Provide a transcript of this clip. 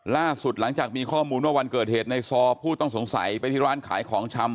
ล่าสุดหลังจากมีข้อมูลว่าวันเกิดเหตุในซอผู้ต้องสงสัยไปที่ร้านขายของชำ